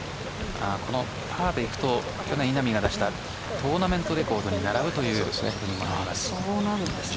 このパーでいくと去年稲見が出したトーナメントレコードに並ぶということになります。